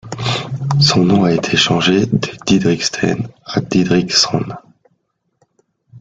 Son nom a été changé de Didriksen à Didrikson.